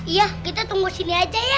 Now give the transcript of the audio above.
iya kita tunggu sini aja ya